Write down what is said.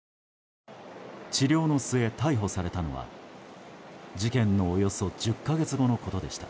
治療の末、逮捕されたのは事件のおよそ１０か月後のことでした。